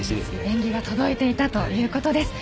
演技が届いていたということです。